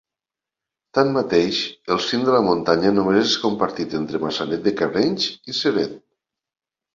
Tanmateix, el cim de la muntanya només és compartit entre Maçanet de Cabrenys i Ceret.